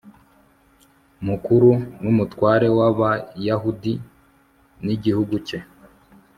mukuru n'umutware w'abayahudi, n'igihugu cye